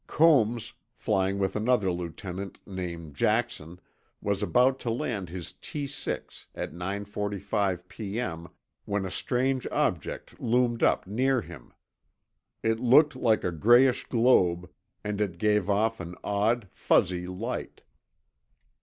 Combs, flying with another lieutenant named Jackson, was about to land his T 6, at 9:45 P.M., when a strange object loomed up near him. It looked like a grayish globe, and it gave off an odd, fuzzy light.